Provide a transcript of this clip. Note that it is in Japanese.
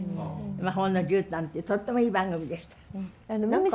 「魔法のじゅうたん」ってとってもいい番組でした。